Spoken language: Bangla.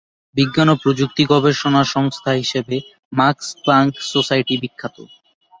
বিজ্ঞান ও প্রযুক্তি গবেষণা সংস্থা হিসেবে মাক্স প্লাংক সোসাইটি বিখ্যাত।